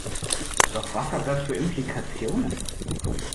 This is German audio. Doch was hat das für Implikationen?